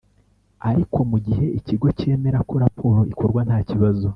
Ariko mu gihe ikigo cyemera ko raporo ikorwa nta kibazo